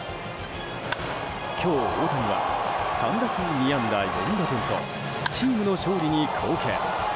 今日、大谷は３打数２安打４打点とチームの勝利に貢献。